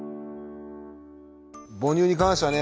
母乳に関してはね